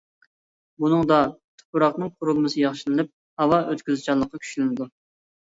بۇنىڭدا تۇپراقنىڭ قۇرۇلمىسى ياخشىلىنىپ، ھاۋا ئۆتكۈزۈشچانلىقى كۈچلىنىدۇ.